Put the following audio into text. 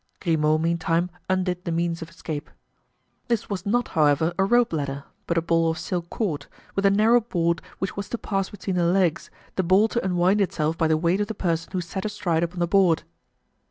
Grimaud, meantime, undid the means of escape. This was not, however, a rope ladder, but a ball of silk cord, with a narrow board which was to pass between the legs, the ball to unwind itself by the weight of the person who sat astride upon the board.